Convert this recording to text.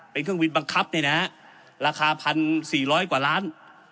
เป็นเครื่องบินบังคับเนี่ยนะฮะราคา๑๔๐๐กว่าล้าน